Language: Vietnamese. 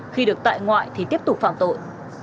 khi được tại ngoại thì tiếp tục phạm tội